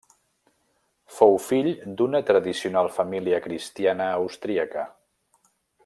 Fou fill d'una tradicional família cristiana austríaca.